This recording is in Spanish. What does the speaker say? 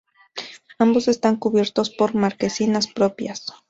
Ambos están cubiertos por marquesinas propias.